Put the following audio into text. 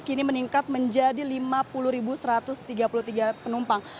kini meningkat menjadi lima puluh satu ratus tiga puluh tiga penumpang